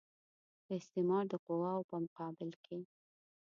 د استعمار د قواوو په مقابل کې.